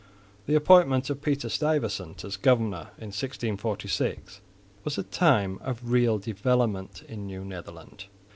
The appointment of Peter Stuyvesant as governor, in 1646, was a time of real development in New Netherland.